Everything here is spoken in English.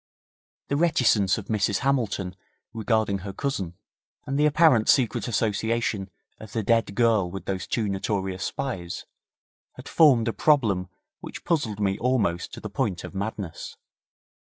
The reticence of Mrs Hamilton regarding her cousin, and the apparent secret association of the dead girl with those two notorious spies, had formed a problem which puzzled me almost to the point of madness.